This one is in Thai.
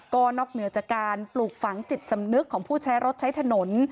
ก็นอกเหนือจากการปลูกฝังจิตสำนึกของผู้ใช้รถใช้ถนน